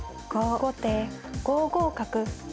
後手５五角。